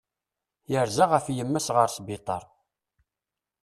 Yerza ɣef yemma-s ɣer sbiṭar.